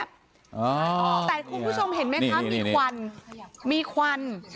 แต่คุณผู้ชมเห็นไหมคะมีควันมีควัน